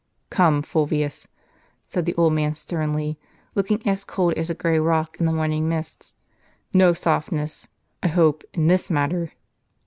" Come, Fulvius," said the old man sternly, looking as cold as a grey rock in the morning mist ; "no softness, I hope, in this matter.